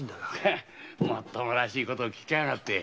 もっともらしいこと聞きやがって。